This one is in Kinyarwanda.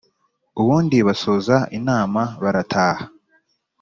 ubundi basoza inama barataha.